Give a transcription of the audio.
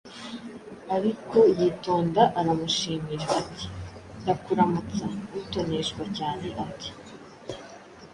Ariko yitonda aramushimira ati: Ndakuramutsa, utoneshwa cyane ati